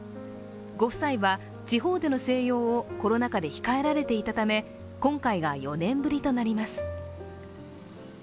ご夫妻は、地方での静養をコロナ禍で控えられていたため今回が４年ぶりとなります。